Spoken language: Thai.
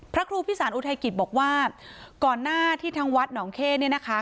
พระครูพิสารอุทัยกิจบอกว่าก่อนหน้าที่ทางวัดหนองเข้เนี่ยนะคะ